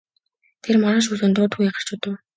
Тэр маргааш өглөө нь дув дуугүй гарч одов.